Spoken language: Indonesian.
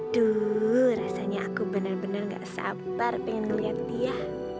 duh rasanya aku benar benar gak sabar pengen ngeliat dia